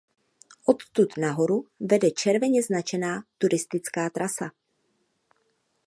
Odtud nahoru vede červeně značená turistická trasa.